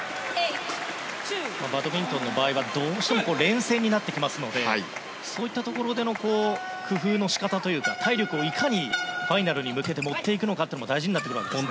バドミントンの場合はどうしても連戦になってきますのでそういったところでの工夫の仕方というか体力をいかにファイナルに向けて持っていくのかというのも大事になってくるわけですね。